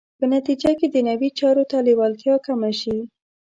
په نتیجه کې دنیوي چارو ته لېوالتیا کمه شي.